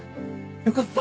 よかった！